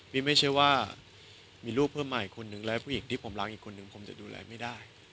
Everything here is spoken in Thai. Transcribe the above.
นี่ไม่ใช่ว่ามีลูกเพิ่มใหม่คนนึงและผู้หญิงที่ผมรักอีกคนนึงผมจะดูแลไม่ได้